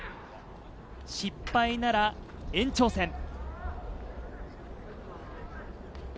失敗なら延長戦。